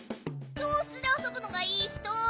きょうしつであそぶのがいいひと。